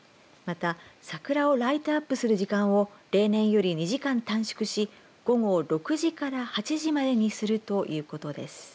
また桜をライトアップする時間を例年より２時間短縮し午後６時から８時までにするということです。